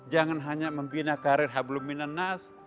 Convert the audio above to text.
jangan hanya membina karir yang belum menanas